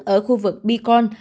ở khu vực bikon